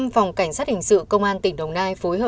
phòng cảnh sát hình sự công an tỉnh đồng nai